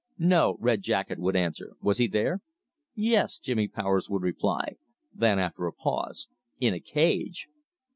"No," Red Jacket would answer, "was he there?" "Yes," Jimmy Powers would reply; then, after a pause "in a cage!"